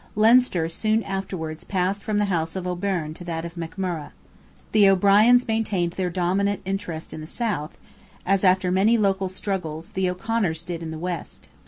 Leinster soon afterwards passed from the house of O'Byrne to that of McMurrogh. The O'Briens maintained their dominant interest in the south; as, after many local struggles, the O'Conors did in the west.